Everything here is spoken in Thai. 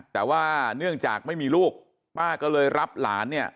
แต่ว่าเนื่องจากไม่มีลูกป้าก็เลยรับหลานเนี่ย